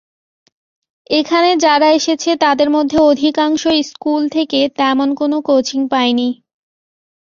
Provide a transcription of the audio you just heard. এখানে যারা এসেছে তাদের মধ্যে অধিকাংশই স্কুল থেকে তেমন কোনো কোচিং পায়নি।